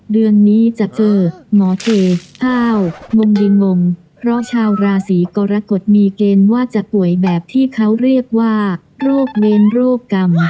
เดือนนี้จะเจอหมอเทอ้าวงงดีงงเพราะชาวราศีกรกฎมีเกณฑ์ว่าจะป่วยแบบที่เขาเรียกว่าโรคเวรโรคกรรม